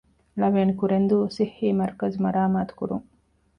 ޅ. ކުރެންދޫ ޞިއްޙީމަރުކަޒު މަރާމާތުކުރުން